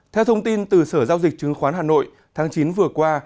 theo thông tin từ sở giao dịch chứng khoán hà nội tháng chín vừa qua